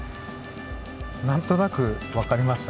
なんとなくわかりました？